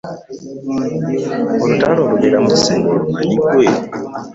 Olutalo olubeera mu kisenge olumanyi ggwe?